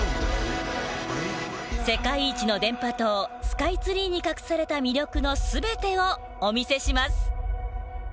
世界一の電波塔スカイツリーに隠された魅力の全てをお見せします。